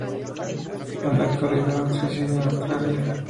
En la actualidad reside en Australia.